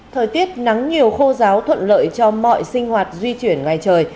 thời tiết nắng nhiều khô giáo thuận lợi cho mọi sinh hoạt di chuyển ngoài trời